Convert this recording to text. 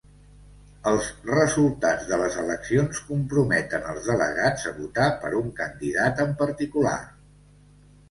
Els resultats de les eleccions comprometen els delegats a votar per un candidat en particular.